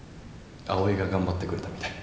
葵が頑張ってくれたみたい。